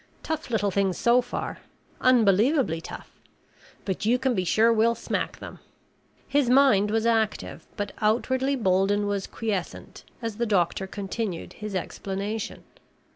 Tough little things so far unbelievably tough but you can be sure we'll smack them." His mind was active, but outwardly Bolden was quiescent as the doctor continued his explanation.